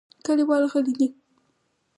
کلیوال غلي دي .